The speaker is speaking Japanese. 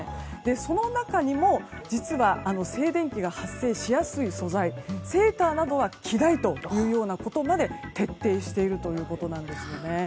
その中にも静電気が発生しやすい素材セーターなどは着ないということまで徹底しているということなんですよね。